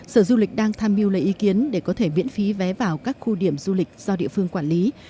sau đó sở du lịch đang tham mưu lấy ý kiến để có thể biện phí vé vào các khu điểm du lịch do địa phương quản lý